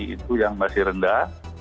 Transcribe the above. itu yang masih rendah